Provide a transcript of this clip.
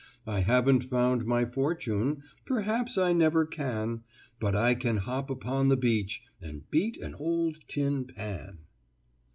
"I haven't found my fortune, Perhaps I never can, But I can hop upon the beach, And beat an old tin pan."